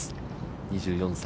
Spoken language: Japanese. ２４歳。